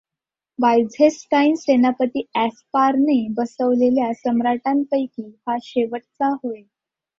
Byzantine सेनापती ऍस्पारने बसवलेल्या सम्राटांपैकी हा शेवटचा होय.